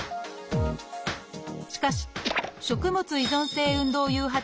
しかし食物依存性運動誘発